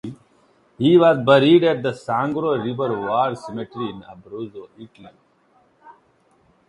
He was buried at the Sangro River War Cemetery in Abruzzo, Italy.